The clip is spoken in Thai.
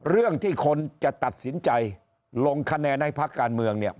เรื่องที่คนจะตัดสินใจลงคะแนนให้พักการเมืองเนี่ย